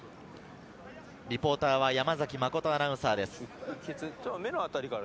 リポーターは山崎誠アナウンサーです。